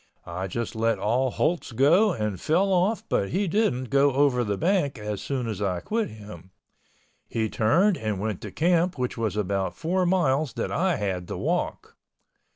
I just let all holts go and fell off but he didn't go over the bank as soon as I quit him. He turned and went to camp which was about four miles that I had to walk.